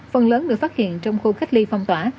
phần lớn được phát hiện trong khu cách ly phong tỏa